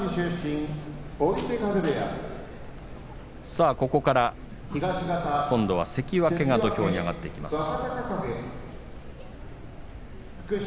さあここから関脇が土俵に上がっていきます。